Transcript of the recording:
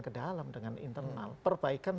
ke dalam dengan internal perbaikan